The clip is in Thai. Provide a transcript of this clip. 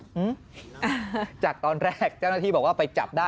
อืมอ่าจากตอนแรกเจ้าหน้าที่บอกว่าไปจับได้